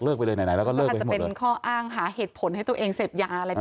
เลิกไปเลยไหนไหนแล้วก็เลิกไปให้หมดเลยมันก็จะเป็นข้ออ้างหาเหตุผลให้ตัวเองเสพยาอะไรแบบนี้